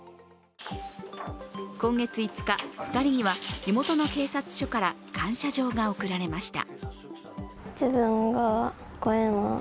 今月５日、２人には地元の警察署から感謝状が贈られました。